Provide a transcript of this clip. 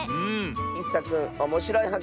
いっさくんおもしろいはっ